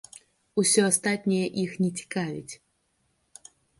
Усё астатняе іх не цікавіць.